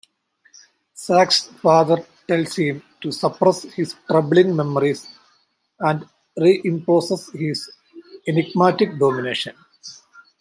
Zach's father tells him to suppress his troubling memories and re-imposes his enigmatic domination.